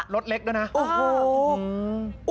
รถเล็กด้วยนะโอ้โห